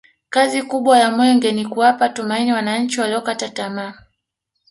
kazi kubwa ya mwenge ni kuwapa tumaini wananchi waliokata tamaa